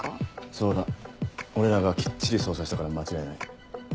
そうだ俺らがきっちり捜査したから間違いない。